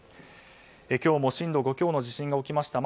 今日も震度５強の地震が起きました。